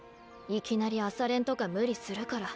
いきなり朝練とか無理するから。